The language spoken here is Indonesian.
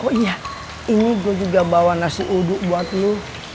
oh iya ini gue juga bawa nasi uduk buat lo